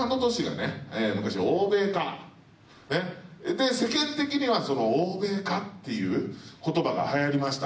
で世間的にはその「欧米か！」っていう言葉が流行りました。